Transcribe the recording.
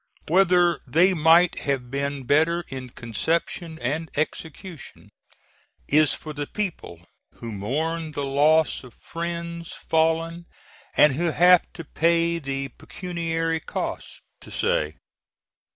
Whether they might have been better in conception and execution is for the people, who mourn the loss of friends fallen, and who have to pay the pecuniary cost, to say.